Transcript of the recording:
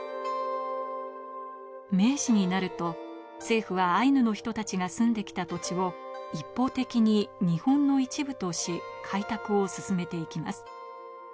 明治になると政府はアイヌの人たちが住んできた土地を一方的に日本の一部とし、開拓を進めていきます。